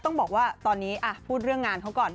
ต้องบอกว่าตอนนี้พูดเรื่องงานเขาก่อน